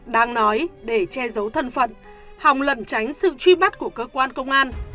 đáng nói để che giấu thân phận hòng lẩn tránh sự truy bắt của cơ quan công an